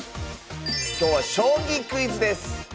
今日は「将棋クイズ」です。